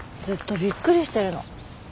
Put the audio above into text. ずっとびっくりしてるの。